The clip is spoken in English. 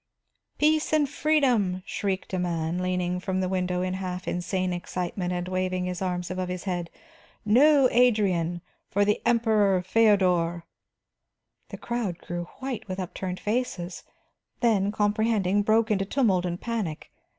"For peace and freedom!" shrieked a man, leaning from the window in half insane excitement and waving his arms above his head. "No Adrian for the Emperor Feodor!" The crowd grew white with upturned faces; then, comprehending, broke into tumult and panic.